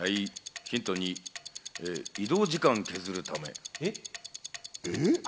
ヒント２、移動時間を削るため。